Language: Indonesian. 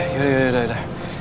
yaudah yaudah yaudah